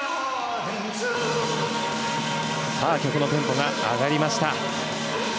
曲のテンポが上がりました。